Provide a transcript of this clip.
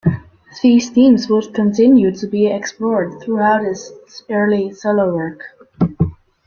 These themes would continue to be explored throughout his early solo work.